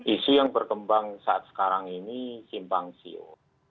isu yang berkembang saat sekarang ini simpang siur